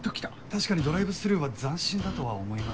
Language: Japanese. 確かにドライブスルーは斬新だとは思いますが。